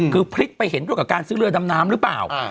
คือพลิกไปเห็นด้วยกับการซื้อเรือดำน้ำหรือเปล่า